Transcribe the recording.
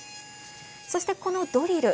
そして、このドリル。